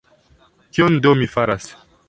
Kion do mi faras?